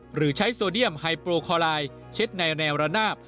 หรือใช้โซเดียมไฮโปรคอลายเช็ดในแนวระนาบ